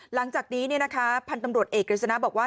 หลังจากนี้เนี่ยนะคะพันธุ์ตำรวจเอกริจนาบอกว่า